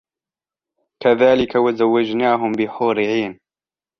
كذلك وزوجناهم بحور عين